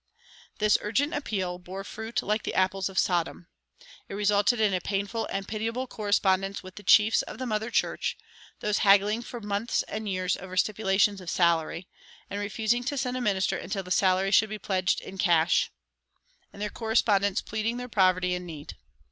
This urgent appeal bore fruit like the apples of Sodom. It resulted in a painful and pitiable correspondence with the chiefs of the mother church, these haggling for months and years over stipulations of salary, and refusing to send a minister until the salary should be pledged in cash; and their correspondents pleading their poverty and need.